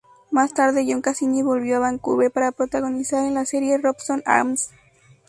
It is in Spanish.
Más tarde John Cassini volvió a Vancouver para protagonizar en la serie Robson Arms.